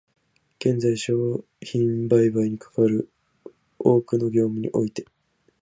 現在、商品売買にかかる多くの実務において、